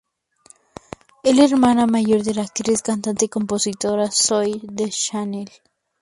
Es la hermana mayor de la actriz, cantante y compositora, Zooey Deschanel.